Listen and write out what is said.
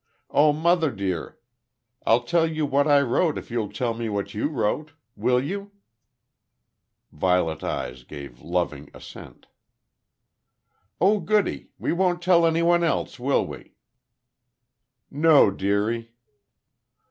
Oh, mother, dear! I'll tell you what I wrote if you'll tell me what you wrote. Will you?" Violet eyes gave loving assent. "Oh, goody! We won't tell anyone else, will we?" "No, dearie."